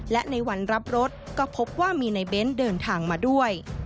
และในวันรับรถก็พบว่ามีในเบ้นเดินทางมาด้วย